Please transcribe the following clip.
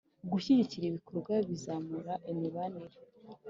Gushyigikira ibikorwa bizamura imibanire.